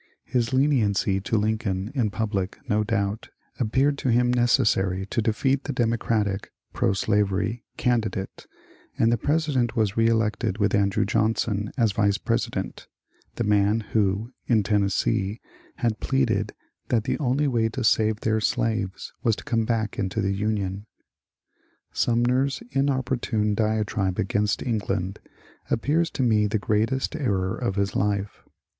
His leniency to Lincoln in public, no doubt, appeared to him necessary to defeat the Democratic (proslavery) candidate, and the Pre sident was reelected with Andrew Johnson as Vice President, — the man who, in Tennessee, had pleaded that the only way to save their slaves was to come back into the Union* Sumner's inopportune diatribe against England appears to me the greatest error of his life.